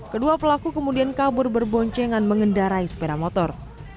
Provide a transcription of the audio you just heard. kedua pelaku kemudian kabur berboncengan mengendarai sepeda motor